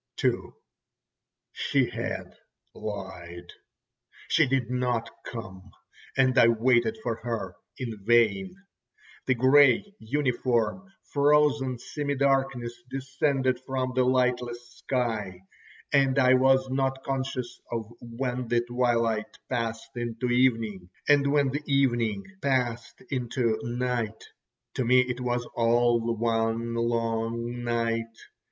ho!" II She had lied. She did not come, and I waited for her in vain. The grey, uniform, frozen semi darkness descended from the lightless sky, and I was not conscious of when the twilight passed into evening, and when the evening passed into night—to me it was all one long night.